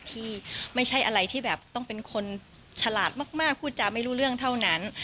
ที่ไม่ใช่อะไรที่แบบต้องเป็นคนฉลาดมากพูดจาไม่รู้เรื่องเท่านั้น